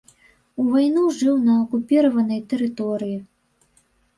У вайну жыў на акупіраванай тэрыторыі.